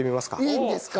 いいんですか？